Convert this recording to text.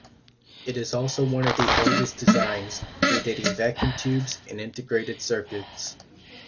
It is also one of the oldest designs, predating vacuum tubes and integrated circuits.